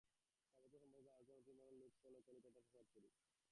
স্থাপত্য-সম্পর্কে আলোচনা-প্রসঙ্গে তিনি বলিলেন লোকে বলে কলিকাতা প্রাসাদপুরী।